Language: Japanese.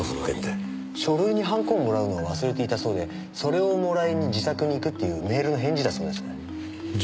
書類にハンコをもらうのを忘れていたそうでそれをもらいに自宅に行くっていうメールの返事だそうです。